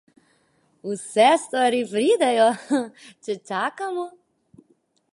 Vse stvari pridejo, če čakamo.